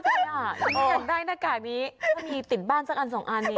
ขำมากอันนี้อากได้ไง